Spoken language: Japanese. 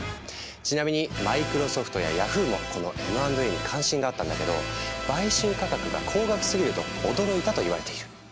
ちなみにマイクロソフトやヤフーもこのＭ＆Ａに関心があったんだけど買収価格が高額すぎると驚いたといわれている。